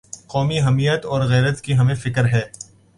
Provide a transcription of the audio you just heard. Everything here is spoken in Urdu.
قومی حمیت اور غیرت کی ہمیں فکر ہے۔